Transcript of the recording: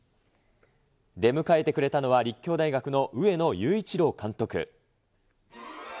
出迎えてくれたのは立教大学の上野裕一郎監督。